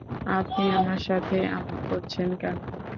আপনি আমার সাথে এমন করছেন কেন?